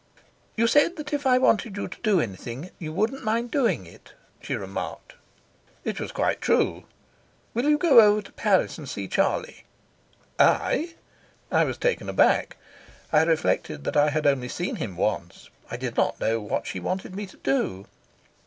"You said that if I wanted you to do anything you wouldn't mind doing it," she remarked. "It was quite true." "Will you go over to Paris and see Charlie?" "I?" I was taken aback. I reflected that I had only seen him once. I did not know what she wanted me to do.